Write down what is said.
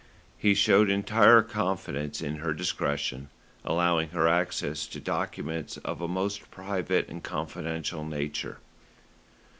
He showed entire confidence in her discretion, allowing her access to documents of a most private and confidential nature.